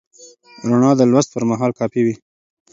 رڼا د لوست پر مهال کافي وي.